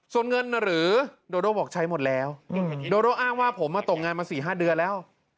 ส่วนเงินหรือโดโด่บอกใช้หมดแล้วโดโดอ้างว่าผมตกงานมา๔๕เดือนแล้ว